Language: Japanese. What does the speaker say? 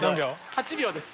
８秒です。